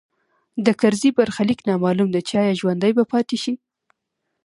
د کرزي برخلیک نامعلوم دی چې ایا ژوندی به پاتې شي